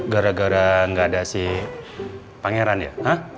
gara gara gak ada si pangeran ya